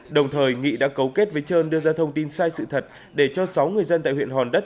đồng thời nghị đã cấu kết với trơn đưa ra thông tin sai sự thật để cho sáu người dân tại huyện hòn đất